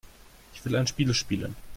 Ich will ein Spiel spielen.